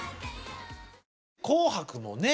「紅白」もね